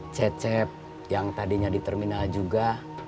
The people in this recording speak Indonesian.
cecep yang tadinya di terminal juga